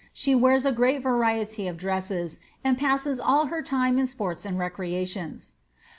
She wears a great variety of dresses, and passes all her time in sports and recreations."